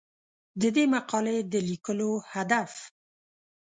د دې مقالې د لیکلو هدف